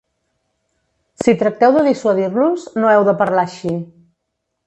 Si tracteu de dissuadir-los, no heu de parlar així.